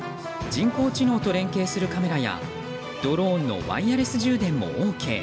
ＡＩ・人工知能と連携するカメラやドローンのワイヤレス充電もＯＫ。